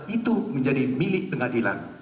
itu menjadi milik pengadilan